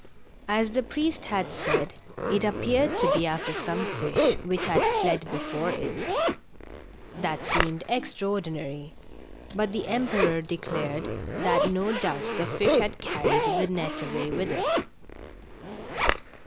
As the priest had said, it appeared to be after some fish which had fled before it. That seemed extraordinary, but the Emperor declared that no doubt the fish had carried the net away with it.